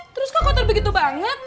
terus kok kotor begitu banget